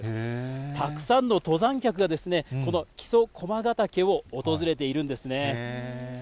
たくさんの登山客が、この木曽駒ヶ岳を訪れているんですね。